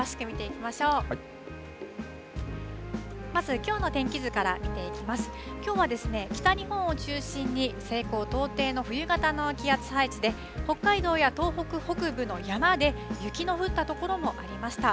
きょうはですね、北日本を中心に西高東低の冬型の気圧配置で、北海道や東北北部の山で、雪の降った所もありました。